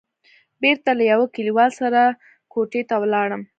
بېرته له يوه کليوال سره کوټې ته ولاړم.